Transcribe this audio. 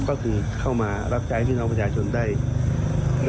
ก็คือเข้ามารับใจพี่น้องประชาชนได้ทุกภักดิ์